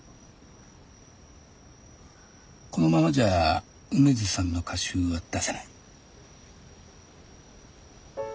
このままじゃ梅津さんの歌集は出せない。